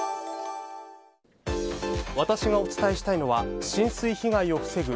私がお伝えしたいのは浸水被害を防ぐ